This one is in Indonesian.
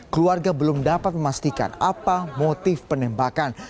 keluarga belum dapat memastikan apa motif penembakan